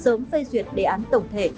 sớm phê duyệt đề án tổng thể